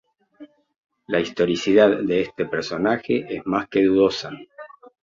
La historicidad de este personaje es más que dudosa.